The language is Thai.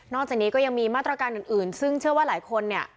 จากนี้ก็ยังมีมาตรการอื่นซึ่งเชื่อว่าหลายคนเนี่ย